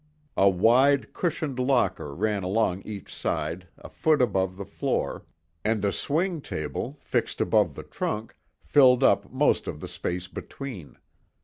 A wide, cushioned locker ran along each side a foot above the floor, and a swing table, fixed above the trunk, filled up most of the space between.